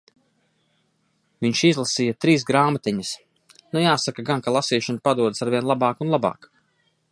Viņš izlasīja trīs grāmatiņas. Nu jāsaka gan, ka lasīšana padodas arvien labāk un labāk.